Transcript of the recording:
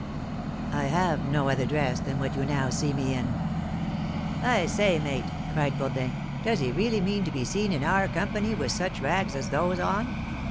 "I have no other dress than that you now see me in." "I say, mate," cried Bourdin, "does he really mean to be seen in our company with such rags as those on?"